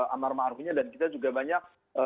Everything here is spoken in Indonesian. amar maruhnya dan kita juga banyak